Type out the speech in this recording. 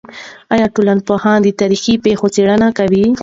آیا ټولنپوهنه د تاریخي پېښو څېړنه کوي؟